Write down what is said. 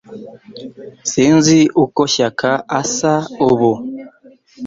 Sinzi uko Shyaka asa ubu